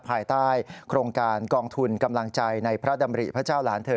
ภายใต้โครงการกองทุนกำลังใจในพระดำริพระเจ้าหลานเธอ